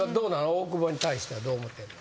大久保に対してはどう思ってんの？